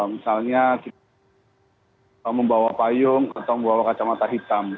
misalnya kita membawa payung atau membawa kacamata hitam